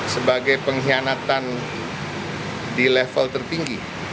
sebagai pengkhianatan di level tertinggi